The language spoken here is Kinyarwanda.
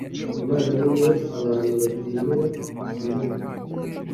imana niyo abantu batinyira imyato